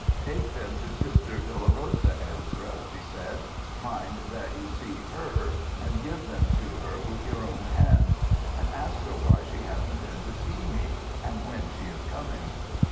"Take them to Sister Dolorosa, Ezra," she said "Mind that you see her, and give them to her with your own hands. And ask her why she hasn't been to see me, and when she is coming."